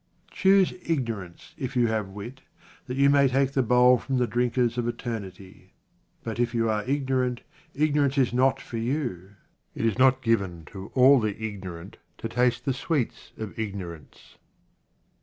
Choose ignorance, if you have wit, that you may take the bowl from the drinkers of eternity. But if you are ignorant, ignorance is not for 5o QUATRAINS OF OMAR KHAYYAM you. It is not given to all the ignorant to taste the sweets of ignorance.